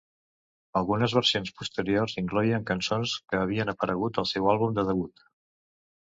Algunes versions posteriors incloïen cançons que havien aparegut al seu àlbum de debut.